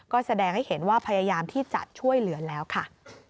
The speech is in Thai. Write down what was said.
ก็แสดงให้เห็นว่าพยายามที่จะช่วยเหลือแล้วค่ะ